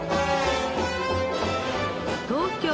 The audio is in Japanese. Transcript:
東京